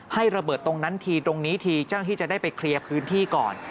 ระเบิดตรงนั้นทีตรงนี้ทีเจ้าหน้าที่จะได้ไปเคลียร์พื้นที่ก่อน